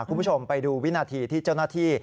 คุณผู้ชมไปดูวินาทีที่เจ้าหน้าที่